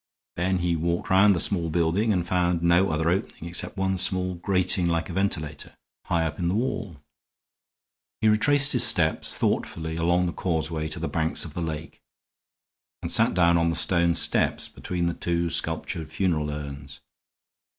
Then he walked round the small building, and found no other opening except one small grating like a ventilator, high up in the wall. He retraced his steps thoughtfully along the causeway to the banks of the lake, and sat down on the stone steps between the two sculptured funeral urns.